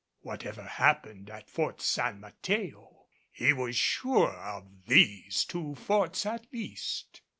Whatever happened at Fort San Mateo, he was sure of these two forts at least.